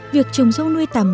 việc trồng dâu nuôi tầm